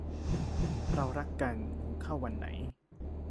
เรารักกัน เงินเข้าวันไหน